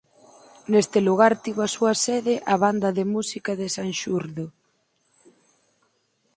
Neste lugar tivo a súa sede a Banda de música de Sanxurdo.